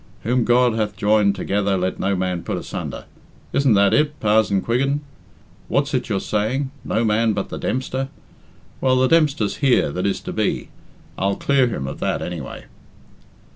'Whom God hath joined together let no man put asunder' isn't that it, Parzon Quiggin? What's it you're saying no man but the Dempster? Well, the Dempster's here that is to be I'll clear him of that, anyway."